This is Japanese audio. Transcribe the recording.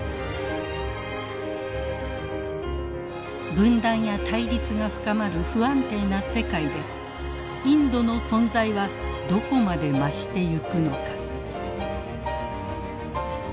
分断や対立が深まる不安定な世界でインドの存在はどこまで増してゆくのか。